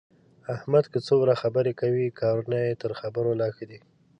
احمد که څومره خبرې کوي، کارونه یې تر خبرو لا ښه دي.